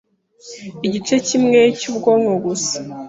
igice kimwe cy’ubwonko gusa